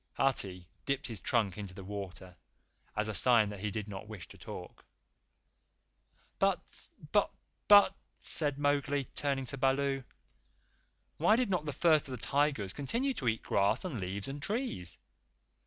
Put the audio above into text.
Hathi dipped his trunk into the water as a sign that he did not wish to talk. "But but but," said Mowgli, turning to Baloo, "why did not the First of the Tigers continue to eat grass and leaves and trees?